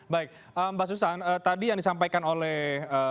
baik mbak susan tadi yang disampaikan oleh